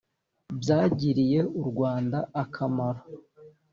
byagiriye u rwanda akamaro